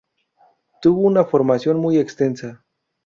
Tuvo una formación muy extensa.